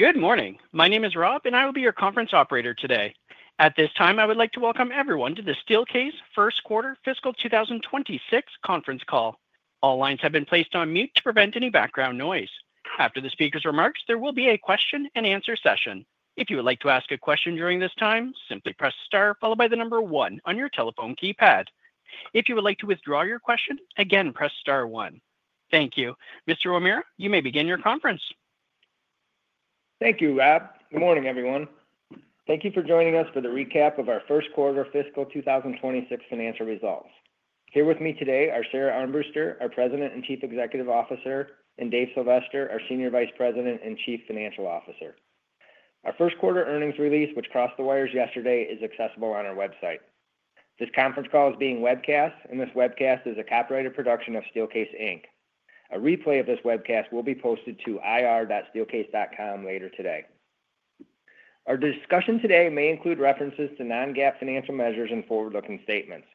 Good morning. My name is Rob, and I will be your conference operator today. At this time, I would like to welcome everyone to the Steelcase First Quarter fiscal 2026 Conference Call. All lines have been placed on mute to prevent any background noise. After the speaker's remarks, there will be a question-and-answer session. If you would like to ask a question during this time, simply press star followed by the number one on your telephone keypad. If you would like to withdraw your question, again, press star one. Thank you. Mr. O'Meara, you may begin your conference. Thank you, Rob. Good morning, everyone. Thank you for joining us for the recap of our first quarter fiscal 2026 financial results. Here with me today are Sara Armbruster, our President and Chief Executive Officer, and Dave Sylvester, our Senior Vice President and Chief Financial Officer. Our first quarter earnings release, which crossed the wires yesterday, is accessible on our website. This conference call is being webcast, and this webcast is a copyrighted production of Steelcase. A replay of this webcast will be posted to ir.steelcase.com later today. Our discussion today may include references to non-GAAP financial measures and forward-looking statements.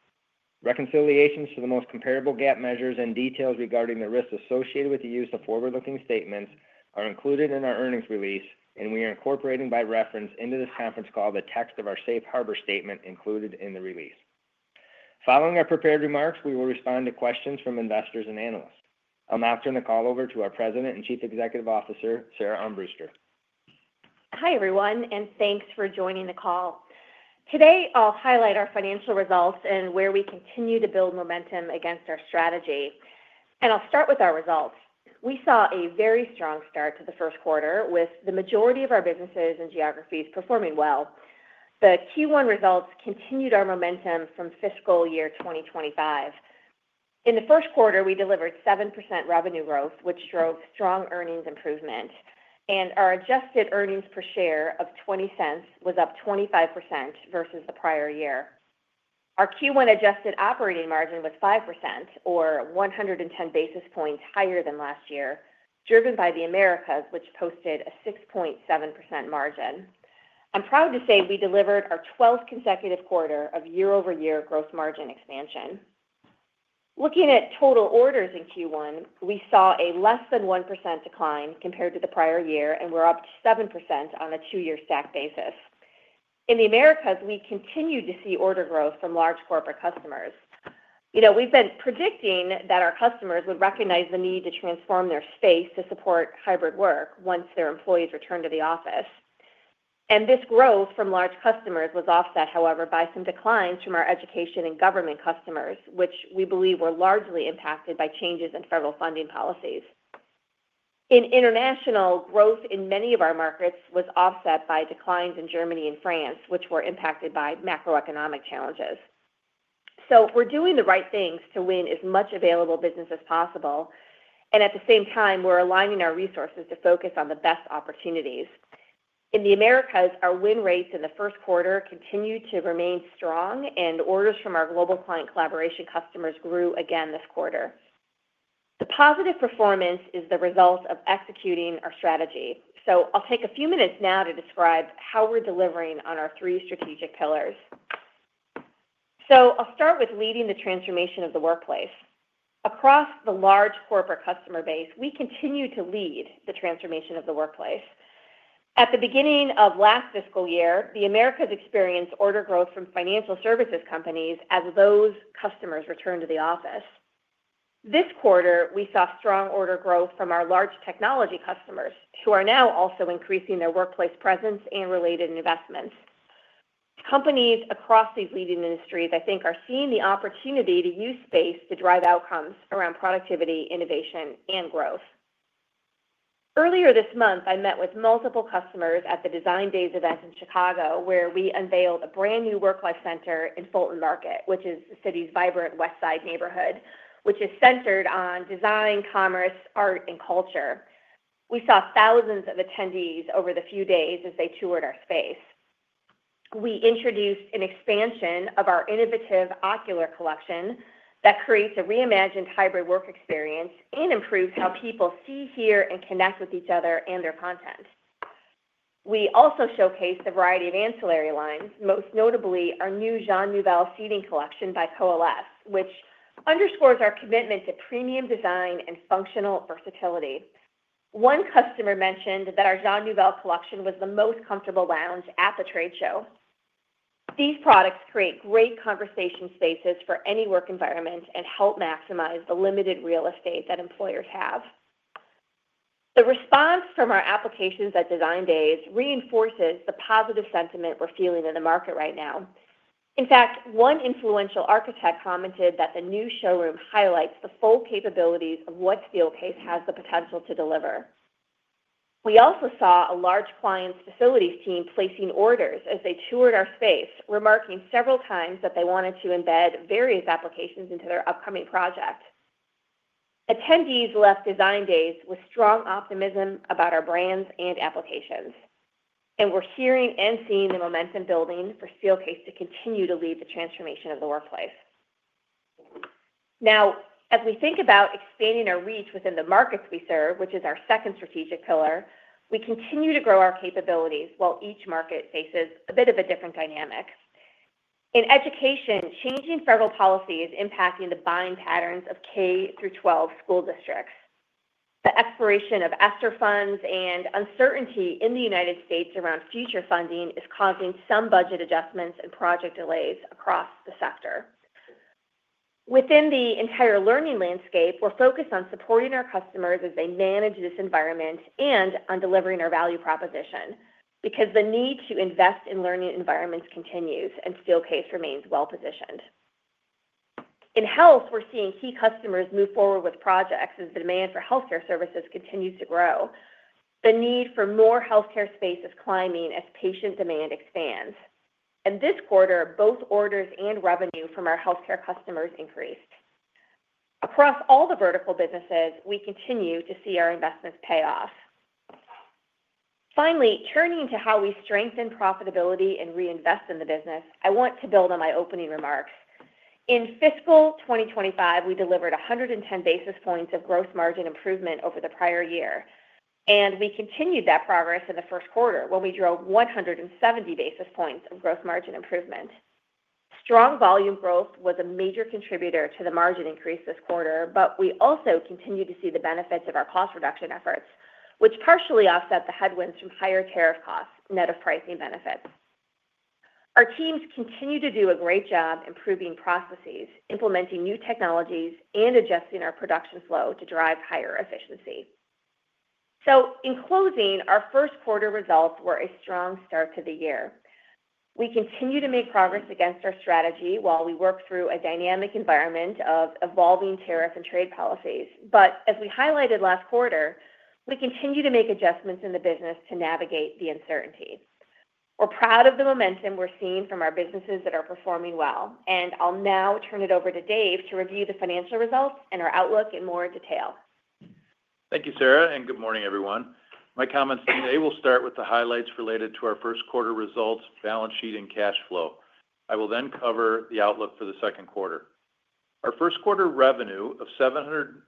Reconciliations to the most comparable GAAP measures and details regarding the risks associated with the use of forward-looking statements are included in our earnings release, and we are incorporating by reference into this conference call the text of our safe harbor statement included in the release. Following our prepared remarks, we will respond to questions from investors and analysts. I'll now turn the call over to our President and Chief Executive Officer, Sara Armbruster. Hi, everyone, and thanks for joining the call. Today, I'll highlight our financial results and where we continue to build momentum against our strategy. I'll start with our results. We saw a very strong start to the first quarter with the majority of our businesses and geographies performing well. The Q1 results continued our momentum from fiscal year 2025. In the first quarter, we delivered 7% revenue growth, which drove strong earnings improvement, and our adjusted earnings per share of $0.20 was up 25% versus the prior year. Our Q1 adjusted operating margin was 5%, or 110 basis points higher than last year, driven by the Americas, which posted a 6.7% margin. I'm proud to say we delivered our 12th consecutive quarter of year-over-year growth margin expansion. Looking at total orders in Q1, we saw a less than 1% decline compared to the prior year, and we're up 7% on a two-year stack basis. In the Americas, we continued to see order growth from large corporate customers. You know, we've been predicting that our customers would recognize the need to transform their space to support hybrid work once their employees returned to the office. This growth from large customers was offset, however, by some declines from our education and government customers, which we believe were largely impacted by changes in federal funding policies. In international, growth in many of our markets was offset by declines in Germany and France, which were impacted by macroeconomic challenges. We are doing the right things to win as much available business as possible, and at the same time, we're aligning our resources to focus on the best opportunities. In the Americas, our win rates in the first quarter continued to remain strong, and orders from our global client collaboration customers grew again this quarter. The positive performance is the result of executing our strategy. I will take a few minutes now to describe how we are delivering on our three strategic pillars. I will start with leading the transformation of the workplace. Across the large corporate customer base, we continue to lead the transformation of the workplace. At the beginning of last fiscal year, the Americas experienced order growth from financial services companies as those customers returned to the office. This quarter, we saw strong order growth from our large technology customers, who are now also increasing their workplace presence and related investments. Companies across these leading industries, I think, are seeing the opportunity to use space to drive outcomes around productivity, innovation, and growth. Earlier this month, I met with multiple customers at the Design Days event in Chicago, where we unveiled a brand new work-life center in Fulton Market, which is the city's vibrant West Side neighborhood, which is centered on design, commerce, art, and culture. We saw thousands of attendees over the few days as they toured our space. We introduced an expansion of our innovative Ocular collection that creates a reimagined hybrid work experience and improves how people see, hear, and connect with each other and their content. We also showcased a variety of ancillary lines, most notably our new Jean Nouvel seating collection by Coalesse, which underscores our commitment to premium design and functional versatility. One customer mentioned that our Jean Nouvel collection was the most comfortable lounge at the trade show. These products create great conversation spaces for any work environment and help maximize the limited real estate that employers have. The response from our applications at Design Days reinforces the positive sentiment we're feeling in the market right now. In fact, one influential architect commented that the new showroom highlights the full capabilities of what Steelcase has the potential to deliver. We also saw a large client's facilities team placing orders as they toured our space, remarking several times that they wanted to embed various applications into their upcoming project. Attendees left Design Days with strong optimism about our brands and applications, and we're hearing and seeing the momentum building for Steelcase to continue to lead the transformation of the workplace. Now, as we think about expanding our reach within the markets we serve, which is our second strategic pillar, we continue to grow our capabilities while each market faces a bit of a different dynamic. In education, changing federal policy is impacting the buying patterns of K through 12 school districts. The expiration of ESSER funds and uncertainty in the U.S. around future funding is causing some budget adjustments and project delays across the sector. Within the entire learning landscape, we're focused on supporting our customers as they manage this environment and on delivering our value proposition because the need to invest in learning environments continues, and Steelcase remains well positioned. In health, we're seeing key customers move forward with projects as the demand for healthcare services continues to grow. The need for more healthcare space is climbing as patient demand expands. This quarter, both orders and revenue from our healthcare customers increased. Across all the vertical businesses, we continue to see our investments pay off. Finally, turning to how we strengthen profitability and reinvest in the business, I want to build on my opening remarks. In fiscal 2025, we delivered 110 basis points of gross margin improvement over the prior year, and we continued that progress in the first quarter when we drove 170 basis points of gross margin improvement. Strong volume growth was a major contributor to the margin increase this quarter, but we also continue to see the benefits of our cost reduction efforts, which partially offset the headwinds from higher tariff costs, net of pricing benefits. Our teams continue to do a great job improving processes, implementing new technologies, and adjusting our production flow to drive higher efficiency. Our first quarter results were a strong start to the year. We continue to make progress against our strategy while we work through a dynamic environment of evolving tariff and trade policies. As we highlighted last quarter, we continue to make adjustments in the business to navigate the uncertainty. We're proud of the momentum we're seeing from our businesses that are performing well, and I'll now turn it over to Dave to review the financial results and our outlook in more detail. Thank you, Sara, and good morning, everyone. My comments today will start with the highlights related to our first quarter results, balance sheet, and cash flow. I will then cover the outlook for the second quarter. Our first quarter revenue of $779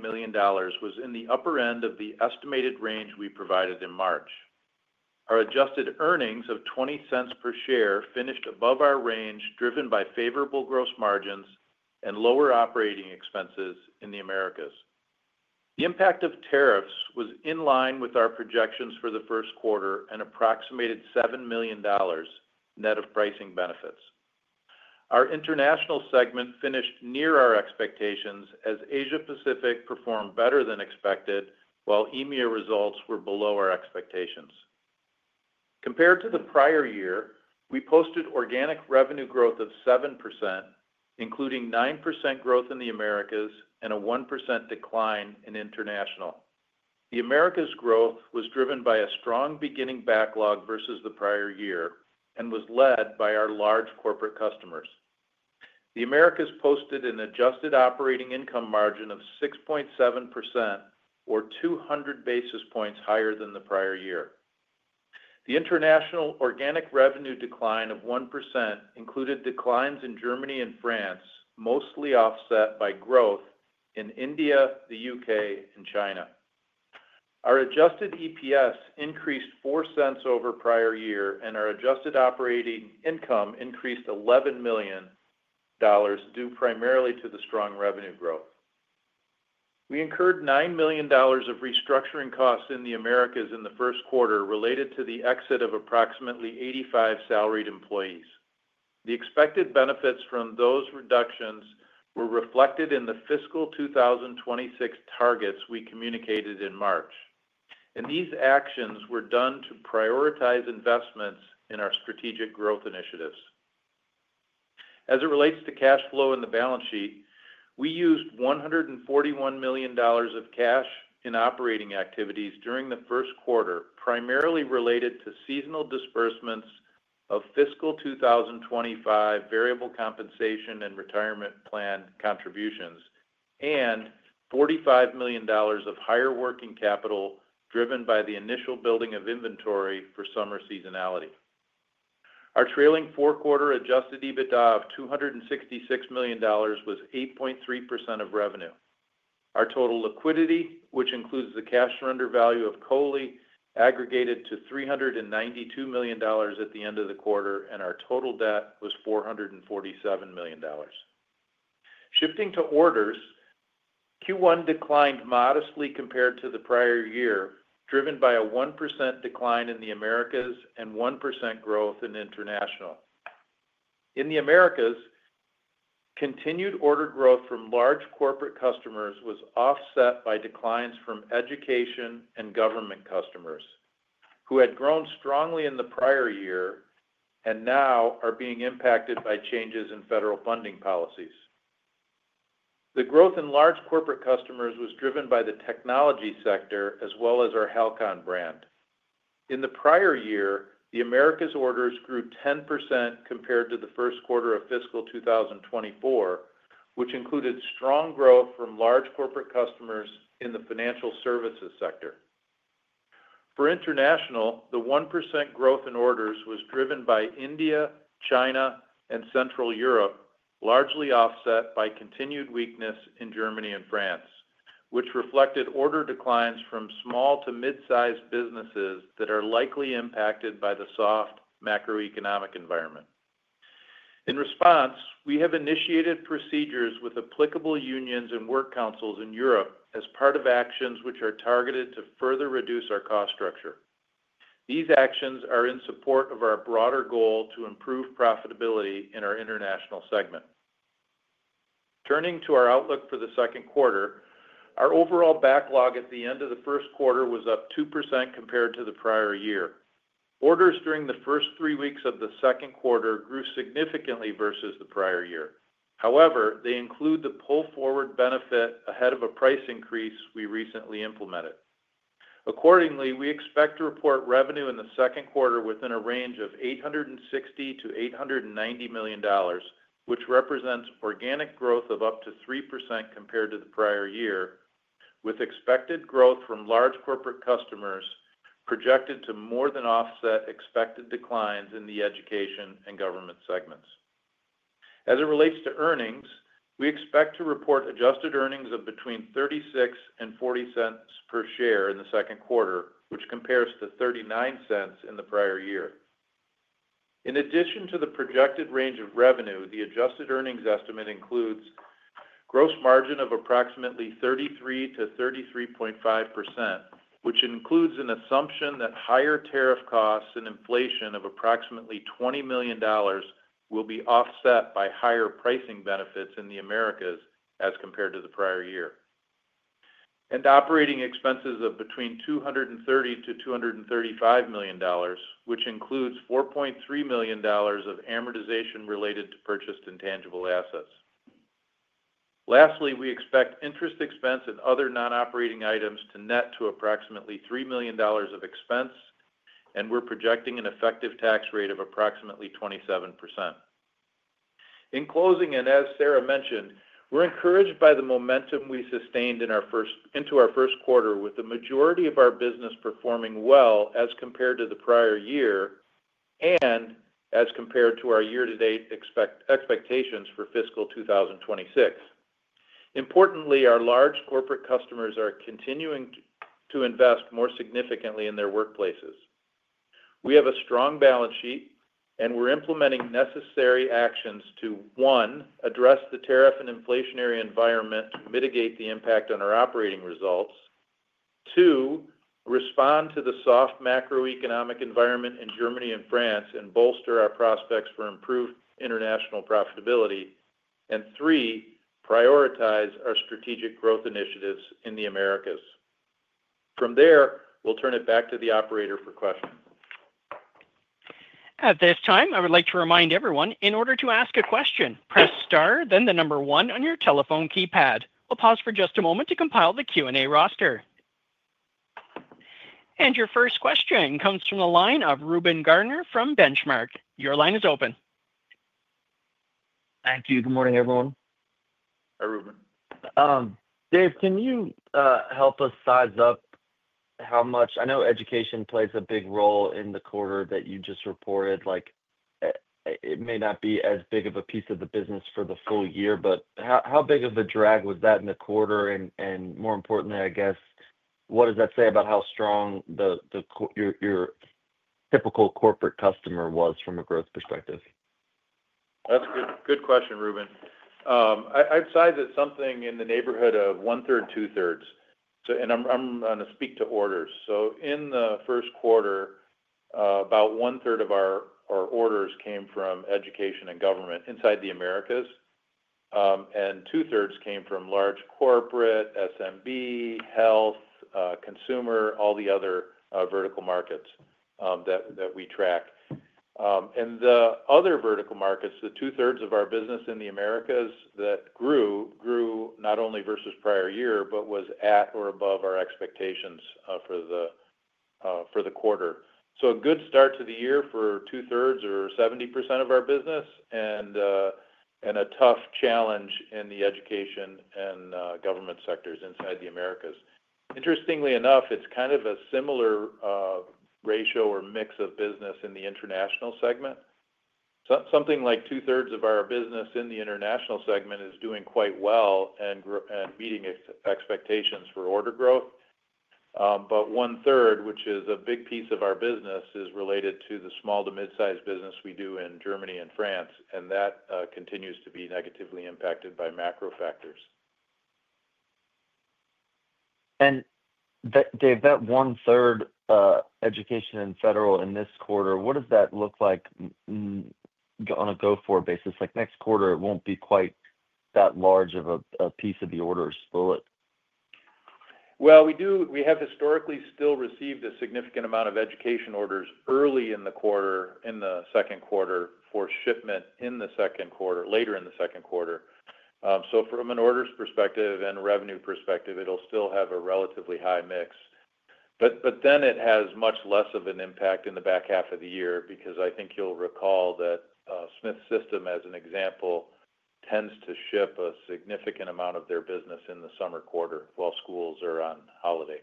million was in the upper end of the estimated range we provided in March. Our adjusted earnings of $0.20 per share finished above our range, driven by favorable gross margins and lower operating expenses in the Americas. The impact of tariffs was in line with our projections for the first quarter and approximated $7 million net of pricing benefits. Our international segment finished near our expectations as Asia-Pacific performed better than expected, while EMEA results were below our expectations. Compared to the prior year, we posted organic revenue growth of 7%, including 9% growth in the Americas and a 1% decline in international. The Americas' growth was driven by a strong beginning backlog versus the prior year and was led by our large corporate customers. The Americas posted an adjusted operating income margin of 6.7%, or 200 basis points higher than the prior year. The international organic revenue decline of 1% included declines in Germany and France, mostly offset by growth in India, the U.K., and China. Our adjusted EPS increased $0.04 over prior year, and our adjusted operating income increased $11 million, due primarily to the strong revenue growth. We incurred $9 million of restructuring costs in the Americas in the first quarter related to the exit of approximately 85 salaried employees. The expected benefits from those reductions were reflected in the fiscal 2026 targets we communicated in March. These actions were done to prioritize investments in our strategic growth initiatives. As it relates to cash flow in the balance sheet, we used $141 million of cash in operating activities during the first quarter, primarily related to seasonal disbursements of fiscal 2025 variable compensation and retirement plan contributions, and $45 million of higher working capital driven by the initial building of inventory for summer seasonality. Our trailing four-quarter adjusted EBITDA of $266 million was 8.3% of revenue. Our total liquidity, which includes the cash surrender value of COLI, aggregated to $392 million at the end of the quarter, and our total debt was $447 million. Shifting to orders, Q1 declined modestly compared to the prior year, driven by a 1% decline in the Americas and 1% growth in international. In the Americas, continued order growth from large corporate customers was offset by declines from education and government customers, who had grown strongly in the prior year and now are being impacted by changes in federal funding policies. The growth in large corporate customers was driven by the technology sector as well as our Halcon brand. In the prior year, the Americas orders grew 10% compared to the first quarter of fiscal 2024, which included strong growth from large corporate customers in the financial services sector. For international, the 1% growth in orders was driven by India, China, and Central Europe, largely offset by continued weakness in Germany and France, which reflected order declines from small to mid-sized businesses that are likely impacted by the soft macroeconomic environment. In response, we have initiated procedures with applicable unions and work councils in Europe as part of actions which are targeted to further reduce our cost structure. These actions are in support of our broader goal to improve profitability in our international segment. Turning to our outlook for the second quarter, our overall backlog at the end of the first quarter was up 2% compared to the prior year. Orders during the first three weeks of the second quarter grew significantly versus the prior year. However, they include the pull-forward benefit ahead of a price increase we recently implemented. Accordingly, we expect to report revenue in the second quarter within a range of $860-$890 million, which represents organic growth of up to 3% compared to the prior year, with expected growth from large corporate customers projected to more than offset expected declines in the education and government segments. As it relates to earnings, we expect to report adjusted earnings of between $0.36 and $0.40 per share in the second quarter, which compares to $0.39 in the prior year. In addition to the projected range of revenue, the adjusted earnings estimate includes gross margin of approximately 33%-33.5%, which includes an assumption that higher tariff costs and inflation of approximately $20 million will be offset by higher pricing benefits in the Americas as compared to the prior year. Operating expenses of between $230-$235 million, which includes $4.3 million of amortization related to purchased intangible assets. Lastly, we expect interest expense and other non-operating items to net to approximately $3 million of expense, and we are projecting an effective tax rate of approximately 27%. In closing, and as Sara mentioned, we're encouraged by the momentum we sustained in our first into our first quarter with the majority of our business performing well as compared to the prior year and as compared to our year-to-date expectations for fiscal 2026. Importantly, our large corporate customers are continuing to invest more significantly in their workplaces. We have a strong balance sheet, and we're implementing necessary actions to, one, address the tariff and inflationary environment to mitigate the impact on our operating results; two, respond to the soft macroeconomic environment in Germany and France and bolster our prospects for improved international profitability; and three, prioritize our strategic growth initiatives in the Americas. From there, we'll turn it back to the operator for questions. At this time, I would like to remind everyone, in order to ask a question, press Star, then the number one on your telephone keypad. We'll pause for just a moment to compile the Q&A roster. Your first question comes from the line of Reuben Garner from Benchmark. Your line is open. Thank you. Good morning, everyone. Hi, Reuben. Dave, can you help us size up how much, I know education plays a big role in the quarter that you just reported. It may not be as big of a piece of the business for the full year, but how big of a drag was that in the quarter? More importantly, I guess, what does that say about how strong your typical corporate customer was from a growth perspective? That's a good question, Reuben. I'd size it something in the neighborhood of one-third, two-thirds. I'm going to speak to orders. In the first quarter, about one-third of our orders came from education and government inside the Americas, and two-thirds came from large corporate, SMB, health, consumer, all the other vertical markets that we track. The other vertical markets, the two-thirds of our business in the Americas that grew, grew not only versus prior year, but was at or above our expectations for the quarter. A good start to the year for two-thirds or 70% of our business and a tough challenge in the education and government sectors inside the Americas. Interestingly enough, it's kind of a similar ratio or mix of business in the international segment. Something like two-thirds of our business in the international segment is doing quite well and meeting expectations for order growth. One-third, which is a big piece of our business, is related to the small to mid-sized business we do in Germany and France, and that continues to be negatively impacted by macro factors. Dave, that one-third education and federal in this quarter, what does that look like on a go-forward basis? Next quarter, it will not be quite that large of a piece of the order split. We have historically still received a significant amount of education orders early in the quarter, in the second quarter, for shipment in the second quarter, later in the second quarter. From an orders perspective and revenue perspective, it will still have a relatively high mix. It has much less of an impact in the back half of the year because I think you will recall that Smith System, as an example, tends to ship a significant amount of their business in the summer quarter while schools are on holiday.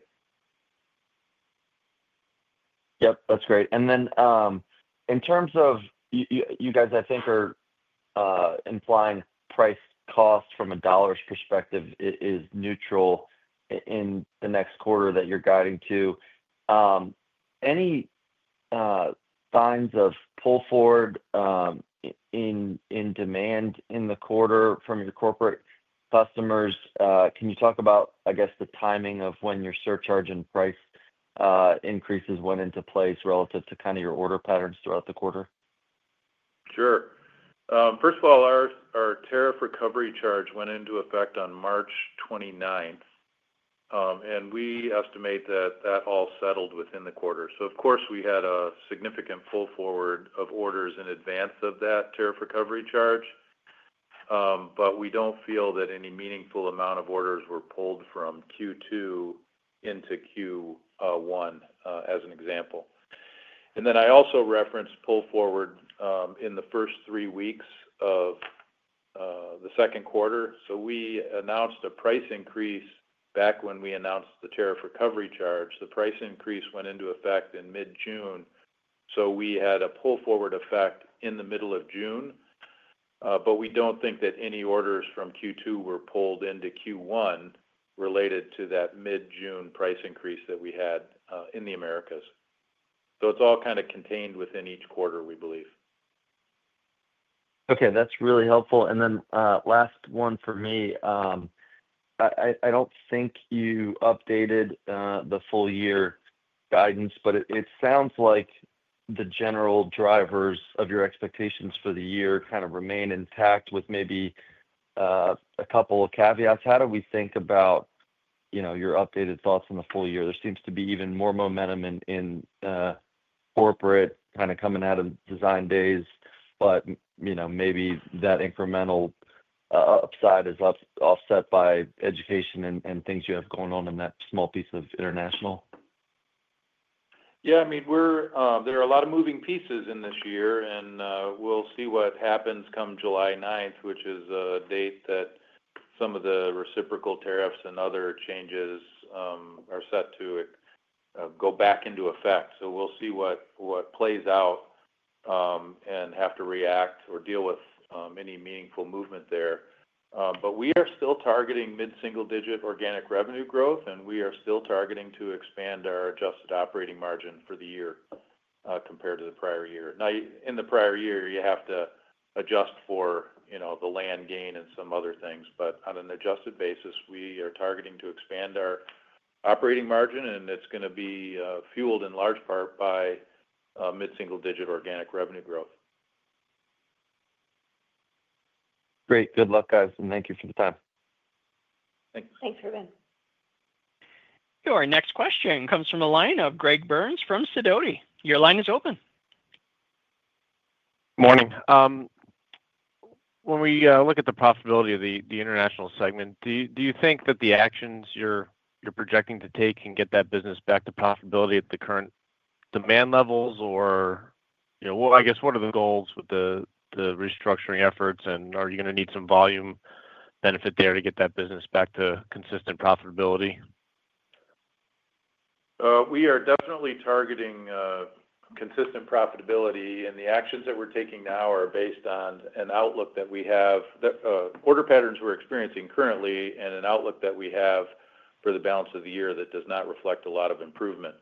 Yep, that's great. In terms of you guys, I think, are implying price cost from a dollar's perspective is neutral in the next quarter that you're guiding to. Any signs of pull-forward in demand in the quarter from your corporate customers? Can you talk about, I guess, the timing of when your surcharge and price increases went into place relative to kind of your order patterns throughout the quarter? Sure. First of all, our tariff recovery charge went into effect on March 29, and we estimate that that all settled within the quarter. Of course, we had a significant pull-forward of orders in advance of that tariff recovery charge, but we do not feel that any meaningful amount of orders were pulled from Q2 into Q1 as an example. I also referenced pull-forward in the first three weeks of the second quarter. We announced a price increase back when we announced the tariff recovery charge. The price increase went into effect in mid-June. We had a pull-forward effect in the middle of June, but we do not think that any orders from Q2 were pulled into Q1 related to that mid-June price increase that we had in the Americas. It is all kind of contained within each quarter, we believe. Okay. That's really helpful. Then last one for me. I do not think you updated the full-year guidance, but it sounds like the general drivers of your expectations for the year kind of remain intact with maybe a couple of caveats. How do we think about your updated thoughts in the full year? There seems to be even more momentum in corporate kind of coming out of Design Days, but maybe that incremental upside is offset by education and things you have going on in that small piece of international. Yeah. I mean, there are a lot of moving pieces in this year, and we'll see what happens come July 9, which is a date that some of the reciprocal tariffs and other changes are set to go back into effect. We will see what plays out and have to react or deal with any meaningful movement there. We are still targeting mid-single-digit organic revenue growth, and we are still targeting to expand our adjusted operating margin for the year compared to the prior year. Now, in the prior year, you have to adjust for the land gain and some other things, but on an adjusted basis, we are targeting to expand our operating margin, and it is going to be fueled in large part by mid-single-digit organic revenue growth. Great. Good luck, guys, and thank you for the time. Thanks. Thanks, Reuben. Our next question comes from a line of Greg Burns from Sidoti & Co. Your line is open. Good morning. When we look at the profitability of the international segment, do you think that the actions you're projecting to take can get that business back to profitability at the current demand levels? Or, I guess, what are the goals with the restructuring efforts, and are you going to need some volume benefit there to get that business back to consistent profitability? We are definitely targeting consistent profitability, and the actions that we're taking now are based on an outlook that we have order patterns we're experiencing currently and an outlook that we have for the balance of the year that does not reflect a lot of improvement.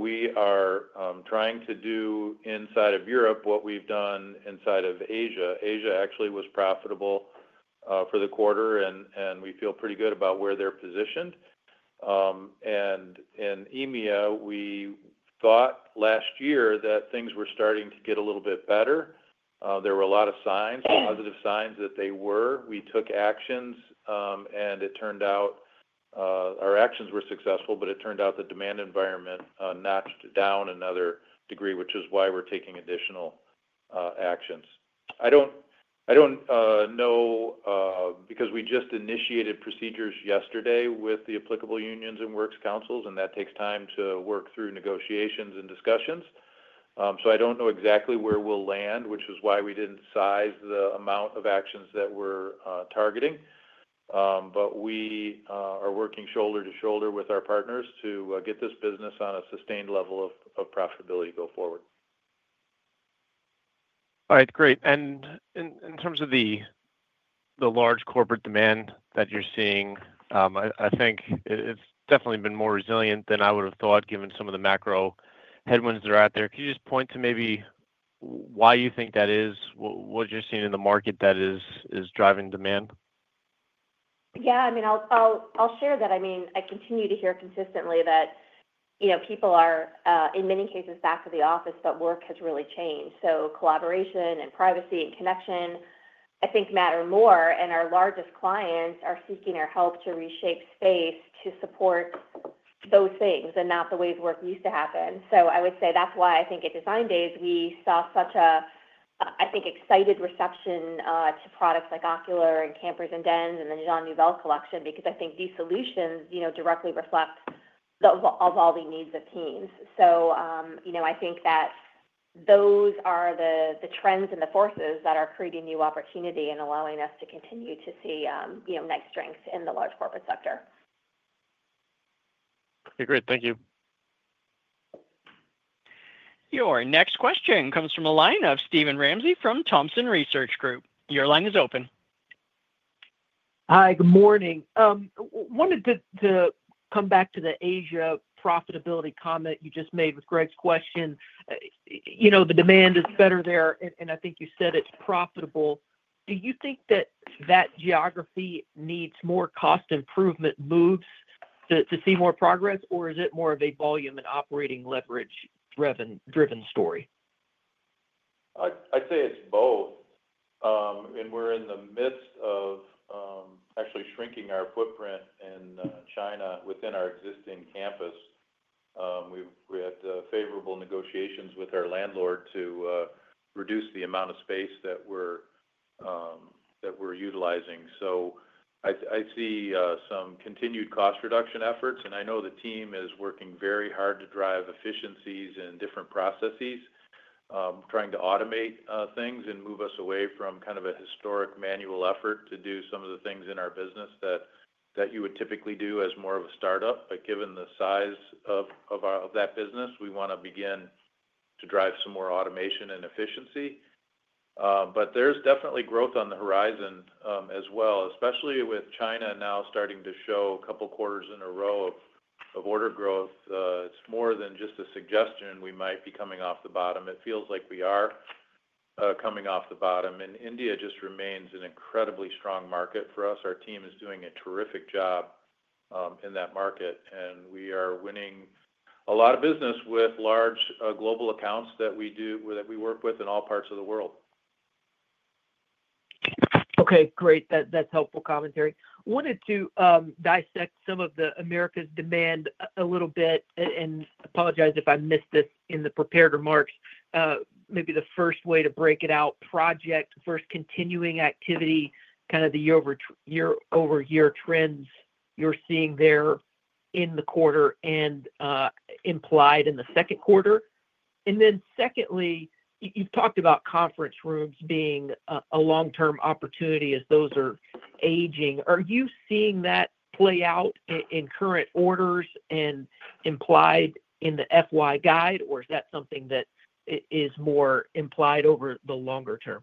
We are trying to do inside of Europe what we've done inside of Asia. Asia actually was profitable for the quarter, and we feel pretty good about where they're positioned. In EMEA, we thought last year that things were starting to get a little bit better. There were a lot of signs, positive signs that they were. We took actions, and it turned out our actions were successful, but it turned out the demand environment notched down another degree, which is why we're taking additional actions. I don't know because we just initiated procedures yesterday with the applicable unions and works councils, and that takes time to work through negotiations and discussions. I don't know exactly where we'll land, which is why we didn't size the amount of actions that we're targeting. We are working shoulder to shoulder with our partners to get this business on a sustained level of profitability to go forward. All right. Great. In terms of the large corporate demand that you're seeing, I think it's definitely been more resilient than I would have thought given some of the macro headwinds that are out there. Can you just point to maybe why you think that is? What you're seeing in the market that is driving demand? Yeah. I mean, I'll share that. I mean, I continue to hear consistently that people are, in many cases, back to the office, but work has really changed. Collaboration and privacy and connection, I think, matter more. Our largest clients are seeking our help to reshape space to support those things and not the ways work used to happen. I would say that's why I think at Design Days, we saw such a, I think, excited reception to products like Ocular and Campers and Dens and the Jean Nouvel collection because I think these solutions directly reflect all the needs of teams. I think that those are the trends and the forces that are creating new opportunity and allowing us to continue to see net strength in the large corporate sector. Okay. Great. Thank you. Your next question comes from a line of Steven Ramsey from Thompson Research Group. Your line is open. Hi. Good morning. Wanted to come back to the Asia profitability comment you just made with Greg's question. The demand is better there, and I think you said it's profitable. Do you think that that geography needs more cost improvement moves to see more progress, or is it more of a volume and operating leverage-driven story? I'd say it's both. We're in the midst of actually shrinking our footprint in China within our existing campus. We had favorable negotiations with our landlord to reduce the amount of space that we're utilizing. I see some continued cost reduction efforts, and I know the team is working very hard to drive efficiencies in different processes, trying to automate things and move us away from kind of a historic manual effort to do some of the things in our business that you would typically do as more of a startup. Given the size of that business, we want to begin to drive some more automation and efficiency. There's definitely growth on the horizon as well, especially with China now starting to show a couple of quarters in a row of order growth. It's more than just a suggestion we might be coming off the bottom. It feels like we are coming off the bottom. India just remains an incredibly strong market for us. Our team is doing a terrific job in that market, and we are winning a lot of business with large global accounts that we work with in all parts of the world. Okay. Great. That's helpful commentary. Wanted to dissect some of the Americas demand a little bit and apologize if I missed this in the prepared remarks. Maybe the first way to break it out, project versus continuing activity, kind of the year-over-year trends you're seeing there in the quarter and implied in the second quarter. Then secondly, you've talked about conference rooms being a long-term opportunity as those are aging. Are you seeing that play out in current orders and implied in the FY guide, or is that something that is more implied over the longer term?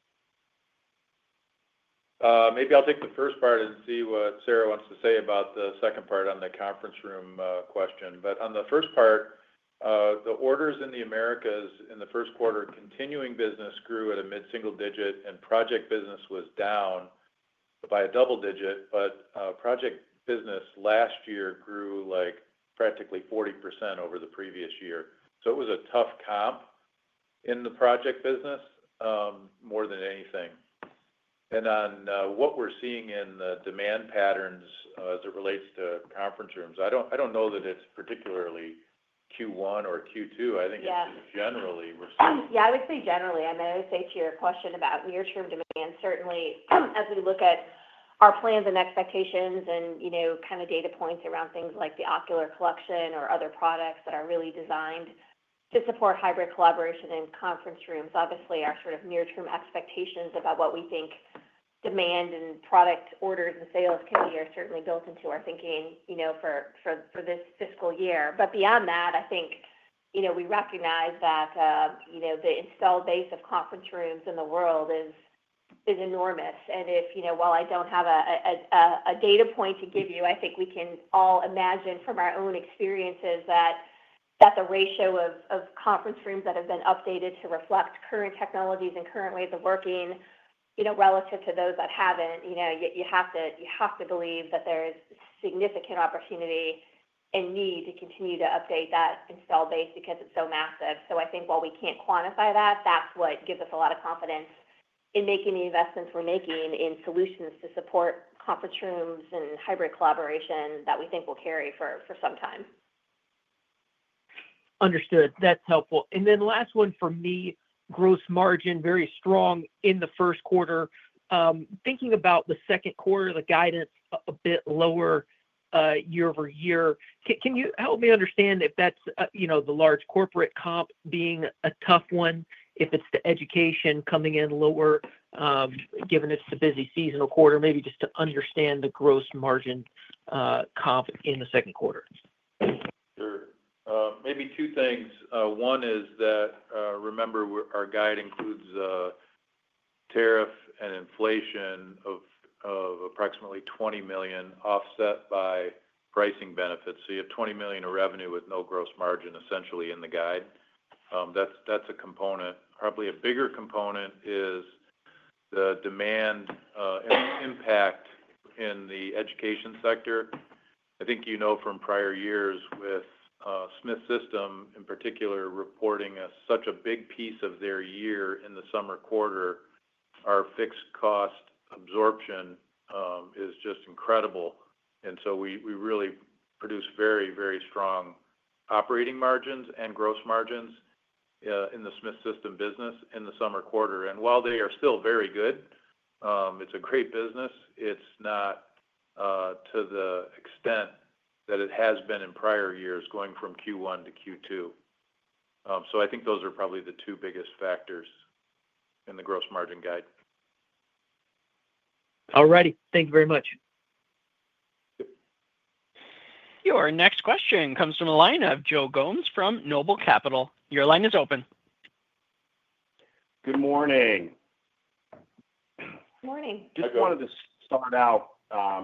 Maybe I'll take the first part and see what Sara wants to say about the second part on the conference room question. On the first part, the orders in the Americas in the first quarter continuing business grew at a mid-single digit, and project business was down by a double digit. Project business last year grew practically 40% over the previous year. It was a tough comp in the project business more than anything. On what we're seeing in the demand patterns as it relates to conference rooms, I don't know that it's particularly Q1 or Q2. I think it's generally. Yeah. I would say generally. I would say to your question about near-term demand, certainly as we look at our plans and expectations and kind of data points around things like the Ocular collection or other products that are really designed to support hybrid collaboration in conference rooms. Obviously, our sort of near-term expectations about what we think demand and product orders and sales can be are certainly built into our thinking for this fiscal year. Beyond that, I think we recognize that the installed base of conference rooms in the world is enormous. While I do not have a data point to give you, I think we can all imagine from our own experiences that the ratio of conference rooms that have been updated to reflect current technologies and current ways of working relative to those that have not, you have to believe that there is significant opportunity and need to continue to update that installed base because it is so massive. I think while we cannot quantify that, that is what gives us a lot of confidence in making the investments we are making in solutions to support conference rooms and hybrid collaboration that we think will carry for some time. Understood. That's helpful. And then last one for me, gross margin very strong in the first quarter. Thinking about the second quarter, the guidance a bit lower year over year. Can you help me understand if that's the large corporate comp being a tough one, if it's the education coming in lower given it's a busy seasonal quarter, maybe just to understand the gross margin comp in the second quarter? Sure. Maybe two things. One is that, remember, our guide includes tariff and inflation of approximately $20 million offset by pricing benefits. So you have $20 million of revenue with no gross margin essentially in the guide. That's a component. Probably a bigger component is the demand impact in the education sector. I think you know from prior years with Smith System in particular reporting such a big piece of their year in the summer quarter, our fixed cost absorption is just incredible. And so we really produce very, very strong operating margins and gross margins in the Smith System business in the summer quarter. And while they are still very good, it's a great business. It's not to the extent that it has been in prior years going from Q1 to Q2. So I think those are probably the two biggest factors in the gross margin guide. All righty. Thank you very much. Your next question comes from a line of Joe Gomes from Noble Capital Markets. Your line is open. Good morning. Good morning. Just wanted to start out,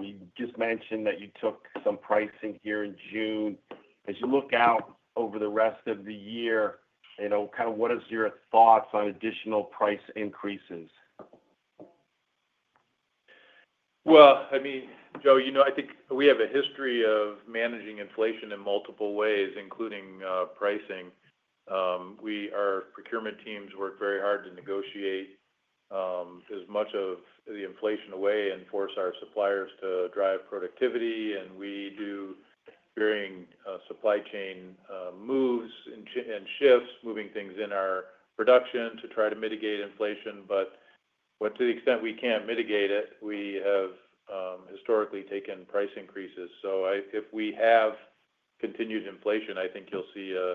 you just mentioned that you took some pricing here in June. As you look out over the rest of the year, kind of what is your thoughts on additional price increases? I mean, Joe, I think we have a history of managing inflation in multiple ways, including pricing. Our procurement teams work very hard to negotiate as much of the inflation away and force our suppliers to drive productivity. We do varying supply chain moves and shifts, moving things in our production to try to mitigate inflation. To the extent we cannot mitigate it, we have historically taken price increases. If we have continued inflation, I think you will see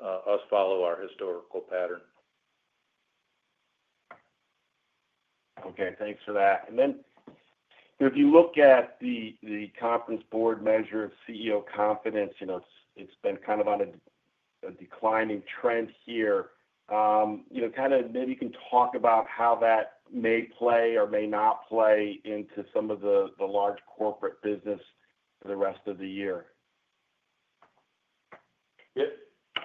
us follow our historical pattern. Okay. Thanks for that. If you look at the Conference Board measure of CEO confidence, it's been kind of on a declining trend here. Maybe you can talk about how that may play or may not play into some of the large corporate business for the rest of the year. Yep.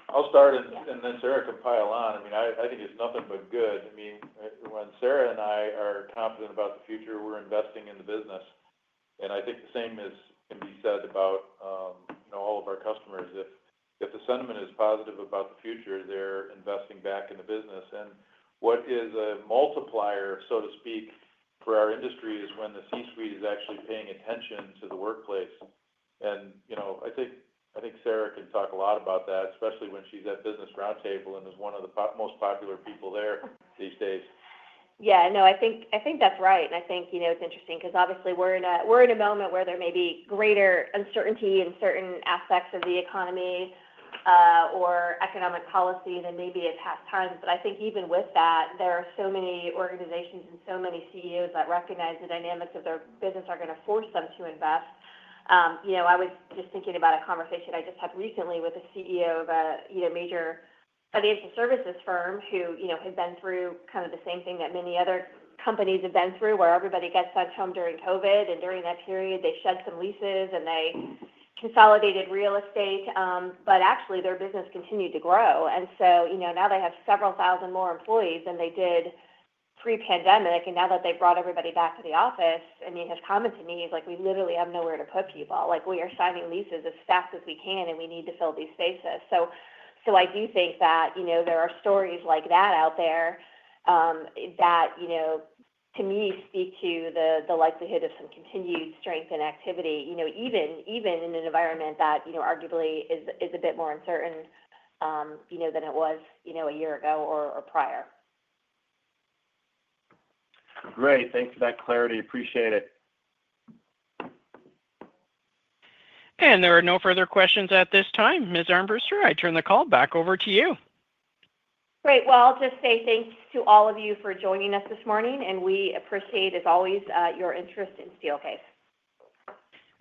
I'll start, and then Sara can pile on. I mean, I think it's nothing but good. I mean, when Sara and I are confident about the future, we're investing in the business. I think the same can be said about all of our customers. If the sentiment is positive about the future, they're investing back in the business. What is a multiplier, so to speak, for our industry is when the C-suite is actually paying attention to the workplace. I think Sara can talk a lot about that, especially when she's at business roundtable and is one of the most popular people there these days. Yeah. No, I think that's right. I think it's interesting because obviously we're in a moment where there may be greater uncertainty in certain aspects of the economy or economic policy than maybe it has at times. I think even with that, there are so many organizations and so many CEOs that recognize the dynamics of their business are going to force them to invest. I was just thinking about a conversation I just had recently with the CEO of a major financial services firm who had been through kind of the same thing that many other companies have been through where everybody got sent home during COVID. During that period, they shed some leases and they consolidated real estate. Actually, their business continued to grow. Now they have several thousand more employees than they did pre-pandemic. Now that they've brought everybody back to the office, I mean, his comment to me is like, "We literally have nowhere to put people. We are signing leases as fast as we can, and we need to fill these spaces." I do think that there are stories like that out there that, to me, speak to the likelihood of some continued strength and activity, even in an environment that arguably is a bit more uncertain than it was a year ago or prior. Great. Thanks for that clarity. Appreciate it. There are no further questions at this time. Ms. Armbruster, I turn the call back over to you. Great. I will just say thanks to all of you for joining us this morning, and we appreciate, as always, your interest in Steelcase.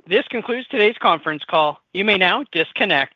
This concludes today's conference call. You may now disconnect.